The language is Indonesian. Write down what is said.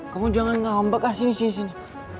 kamu jangan ngombek ah sini sini